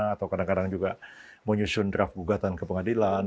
atau kadang kadang juga menyusun draft gugatan ke pengadilan